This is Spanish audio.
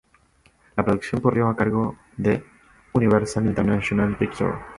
La producción corrió a cargo de Universal International Pictures.